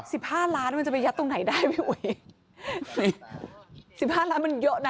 สิบห้าล้านมันจะไปยัดตรงไหนได้พี่อุ๋ยสิบห้าล้านมันเยอะนะ